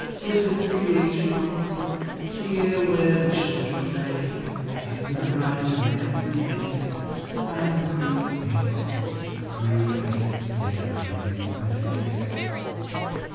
Where sit the aged poor; Here where the children play, In the bright and merry May, I come creeping, creeping everywhere.